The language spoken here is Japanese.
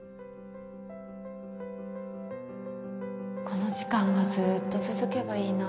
この時間がずっと続けばいいな。